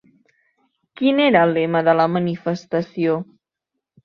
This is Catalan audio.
Quin era el lema de la manifestació?